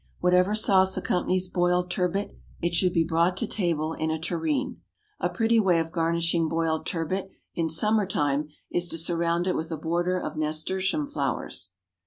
Whatever sauce accompanies boiled turbot, it should be brought to table in a tureen. A pretty way of garnishing boiled turbot in summer time is to surround it with a border of nasturtium flowers.